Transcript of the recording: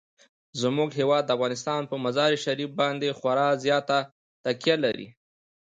زموږ هیواد افغانستان په مزارشریف باندې خورا زیاته تکیه لري.